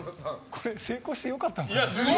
これ、成功して良かったの？